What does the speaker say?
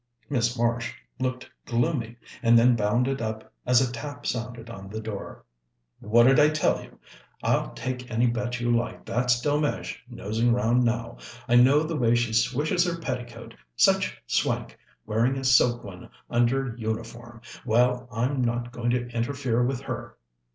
Miss Marsh looked gloomy, and then bounded up as a tap sounded on the door. "What did I tell you? I'll take any bet you like that's Delmege nosing round now. I know the way she swishes her petticoat such swank, wearing a silk one under uniform! Well, I'm not going to interfere with her."